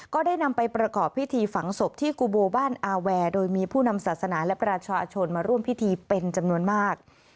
ก็ได้นำไปประกอบพิธีฝังศพที่กุโบบ้านอาแวร์โดยมีผู้นำศาสนาและประชาชนมาร่วมพิธีเป็นจำนวนมาก